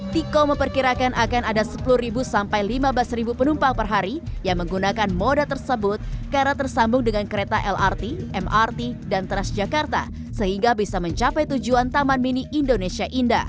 tiko memperkirakan akan ada sepuluh sampai lima belas penumpang per hari yang menggunakan moda tersebut karena tersambung dengan kereta lrt mrt dan transjakarta sehingga bisa mencapai tujuan taman mini indonesia indah